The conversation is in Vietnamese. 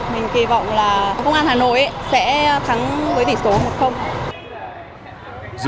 mình kỳ vọng là công an hà nội sẽ thắng với tỷ số một